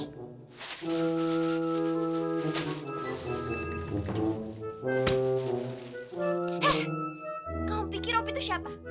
heh kau pikir opi itu siapa